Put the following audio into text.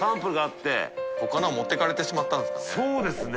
そうですね